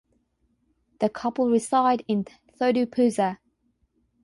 The couple reside in Thodupuzha.